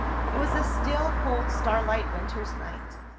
It was a still cold starlight winter's night.